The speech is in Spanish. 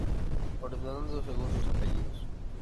Ordenado según sus apellidos.